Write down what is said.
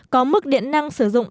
có mức điện năng sử dụng